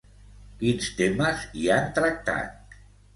Quins temes hi han tractat?